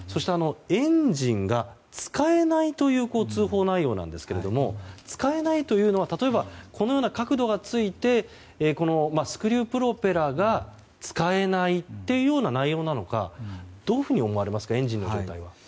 エンジンが使えないという通報内容なんですけど使えないというのは例えば、このような角度がついてスクリュープロペラが使えないという内容なのかどういうふうに思われますかエンジンの状況は。